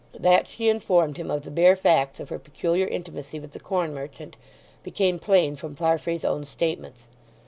That she informed him of the bare facts of her peculiar intimacy with the corn merchant became plain from Farfrae's own statements.